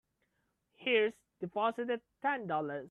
He's deposited Ten Dollars.